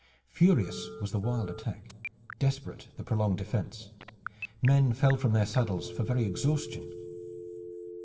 Furious was the wild attack, desperate the prolonged defense. Men fell from their saddles for very exhaustion.